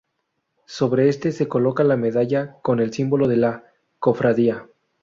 Sobre este se coloca la medalla con el símbolo de la cofradía.